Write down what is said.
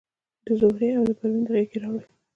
د زهرې او د پروین د غیږي راوړي